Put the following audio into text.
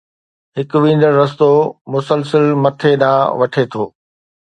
هڪ ويندڙ رستو مسلسل مٿي ڏانهن وٺي ٿو.